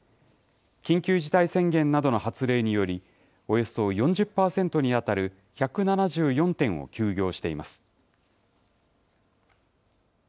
緊急事態宣言などの発令により、およそ４０％に当たる１７４店を休業しています。